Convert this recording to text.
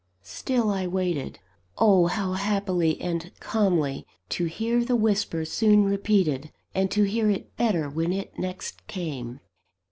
Still I waited (oh, how happily and calmly!) to hear the whisper soon repeated, and to hear it better when it next came.